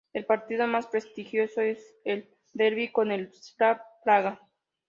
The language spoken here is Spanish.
El partido más prestigioso es el derbi con el Slavia Praga.